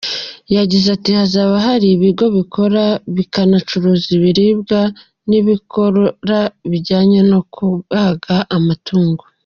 Yagize ati “Hazaba hari ibigo bikora bikanacuruza ibiribwa n’ibikora ibijyanye no kubaga amatungo.